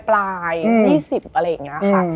ปลาย๒๐อะไรอย่างนี้ค่ะ